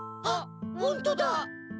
あっほんとだ。